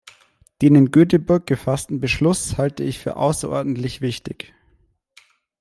Den in Göteborg gefassten Beschluss halte ich für außerordentlich wichtig.